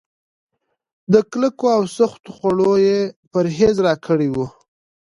له کلکو او سختو خوړو يې پرهېز راکړی و.